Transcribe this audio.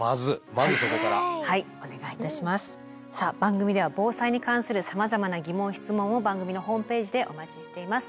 さあ番組では防災に関するさまざまな疑問・質問を番組のホームページでお待ちしています。